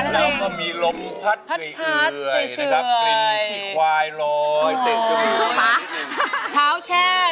น้ำก็มีลมพัดเตื่อย